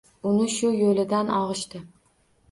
Uni shu yoʻlidan ogʻishdi